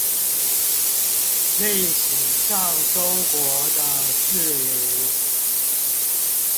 歷史上中國的四鄰